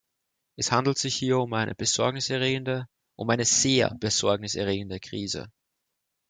Es handelt sich hier um eine besorgniserregende, um eine sehr besorgniserregende Krise!